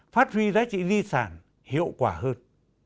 phát huy giá trị di sản hiệu quả hơn